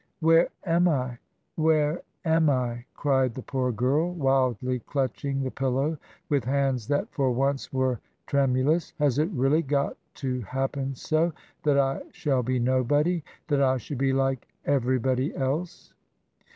" Where am I ? Where am I ?" cried the poor girl, wildly clutching the pillow with hands that for once were tremulous. " Has it really got to happen so ? That I shall be nobody ! That I shall be like everybody else